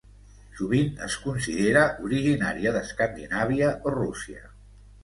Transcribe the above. Sovint es considera originària d'Escandinàvia o Rússia.